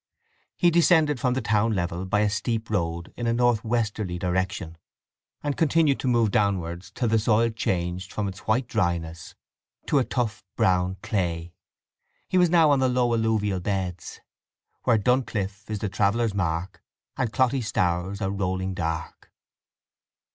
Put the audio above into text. He descended from the town level by a steep road in a north westerly direction, and continued to move downwards till the soil changed from its white dryness to a tough brown clay. He was now on the low alluvial beds Where Duncliffe is the traveller's mark, And cloty Stour's a rolling dark.